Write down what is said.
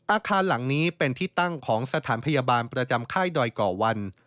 อาคารหลังนี้เป็นที่ตั้งของสถานพยาบาลประจำค่ายดอยก่อวัน